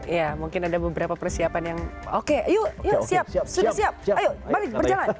ya mungkin ada beberapa persiapan yang oke yuk siap sudah siap ayo balik berjalan